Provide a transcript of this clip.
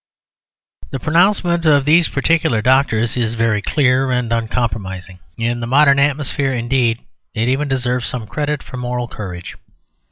The pronouncement of these particular doctors is very clear and uncompromising; in the modern atmosphere, indeed, it even deserves some credit for moral courage.